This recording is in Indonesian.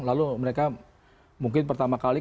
lalu mereka mungkin pertama kali